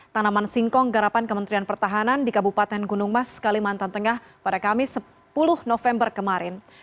tanaman singkong garapan kementerian pertahanan di kabupaten gunung mas kalimantan tengah pada kamis sepuluh november kemarin